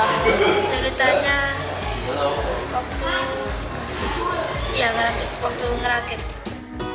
kesulitanya waktu ngerakit